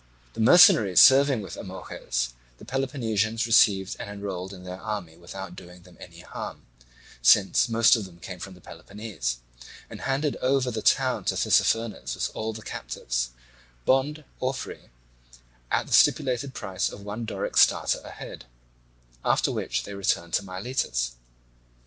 The mercenaries serving with Amorges the Peloponnesians received and enrolled in their army without doing them any harm, since most of them came from Peloponnese, and handed over the town to Tissaphernes with all the captives, bond or free, at the stipulated price of one Doric stater a head; after which they returned to Miletus.